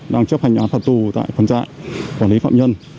đang chấp hành án phạt tù tại phân trại quản lý phạm nhân